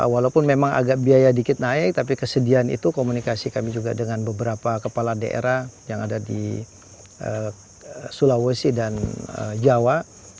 walaupun memang agak biaya dikit naik tapi kesediaan itu komunikasi kami juga dengan beberapa kepala daerah yang ada di sulawesi dan jawa